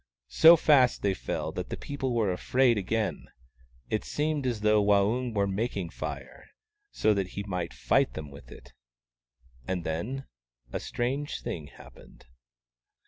So fast they fell that the people were almost afraid again. It seemed as though Waung were making Fire, so that he might fight them with it. And then a strange thing happened.